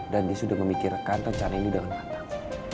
dan dia sudah memikirkan rencana ini dengan mantap